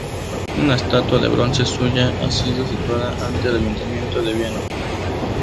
Una estatua de bronce suya ha sido situada ante el Ayuntamiento de Viena.